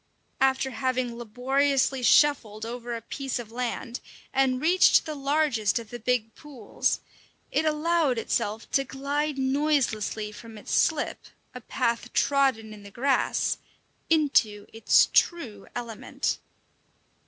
After having labouriously shuffled over a piece of land, and reached the largest of the big pools, it allowed itself to glide noiselessly from its slip a path trodden in the grass into its true element.